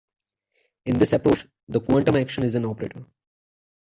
In this approach, the quantum action is an operator.